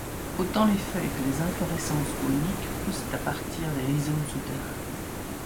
Autant les feuilles que les inflorescences coniques poussent à partir des rhizomes souterrains.